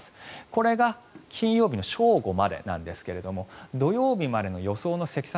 これが金曜日の正午までなんですが土曜日までの予想の積算